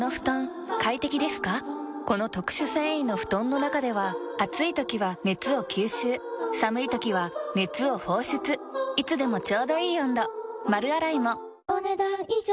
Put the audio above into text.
この特殊繊維の布団の中では暑い時は熱を吸収寒い時は熱を放出いつでもちょうどいい温度丸洗いもお、ねだん以上。